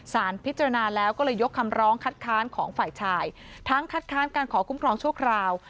สารพิจารณาแล้วก็เลยยกคำร้องคัดค้านของฝ่ายชายทั้งคัดค้านการขอคุ้มครองชั่วคราว